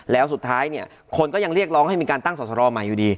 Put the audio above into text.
แล้วสุดท้ายเนี่ยคนก็ยังเรียกร้องให้มีการตั้งสอสรใหม่อยู่ดี